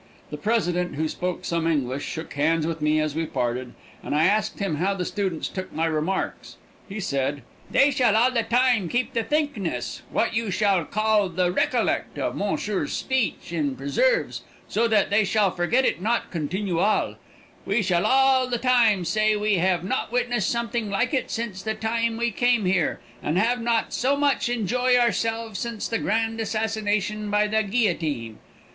The president, who spoke some English, shook hands with me as we parted, and I asked him how the students took my remarks. He said: "They shall all the time keep the thinkness what you shall call the recollect of monsieur's speech in preserves, so that they shall forget it not continualle. We shall all the time say we have not witness something like it since the time we come here, and have not so much enjoy ourselves since the grand assassination by the guillotine.